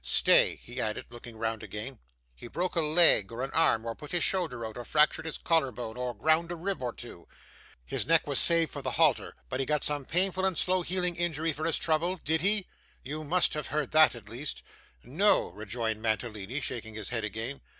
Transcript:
Stay,' he added, looking round again. 'He broke a leg or an arm, or put his shoulder out, or fractured his collar bone, or ground a rib or two? His neck was saved for the halter, but he got some painful and slow healing injury for his trouble? Did he? You must have heard that, at least.' 'No,' rejoined Mantalini, shaking his head again.